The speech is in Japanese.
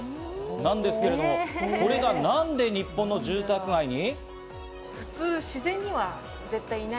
なんですけれども、これがなんで日本の住宅街に？